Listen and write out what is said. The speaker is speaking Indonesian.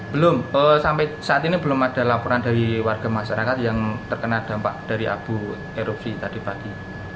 belum sampai saat ini belum ada laporan dari warga masyarakat yang terkena dampak dari abu erupsi tadi pagi